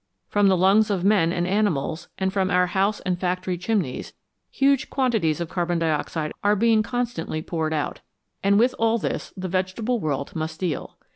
From the lungs of men and animals, and from our house and factory chimneys, huge quantities of carbon dioxide are being constantly poured out, and with all this the vegetable world must deal.